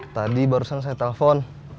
tadi barusan saya telpon